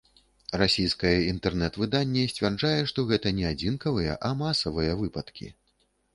Расійскае інтэрнэт-выданне сцвярджае, што гэта не адзінкавыя, а масавыя выпадкі.